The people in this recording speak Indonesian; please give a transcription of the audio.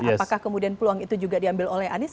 apakah kemudian peluang itu juga diambil oleh anies